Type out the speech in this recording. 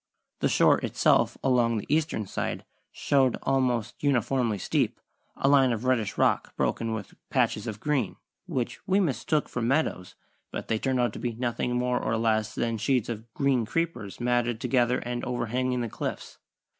The shore itself along the eastern side showed almost uniformly steep a line of reddish rock broken with patches of green, which we mistook for meadows (but they turned out to be nothing more or less than sheets of green creepers matted together and overhanging the cliffs).